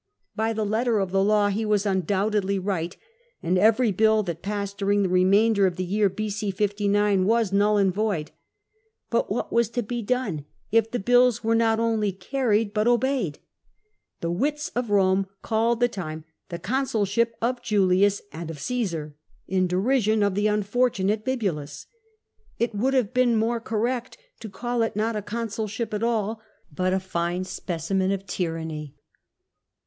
By the letter of the law he was undoubtedly right, and every bill that passed during the remainder of the year b.g. 59 was null and void. But what was to be done if the bills were not only carried but obeyed ? The wits of Rome called the time '"the consulship of Julius and of Caesar," in derision of the unfortunate Bibulus. It would have been more correct to call it not a consul ship at all, but a fine specimen of a tyranny.